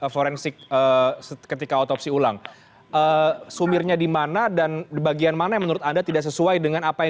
forensik ketika otopsi ulang sumirnya dimana dan bagian mana yang menurut anda tidak sesuai dengan apa yang